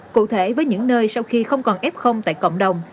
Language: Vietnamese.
cụ thể với những nơi sau khi không còn f tại cộng đồng